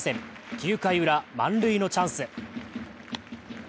９回ウラ、満塁のチャンス。